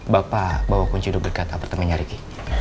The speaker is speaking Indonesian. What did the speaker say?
bapak bawa kunci hidup dekat apartemennya riki